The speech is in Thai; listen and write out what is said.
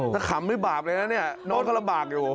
ถ้าขำไม่บาปเลยละเนี่ยนอนก็ระบากอยู่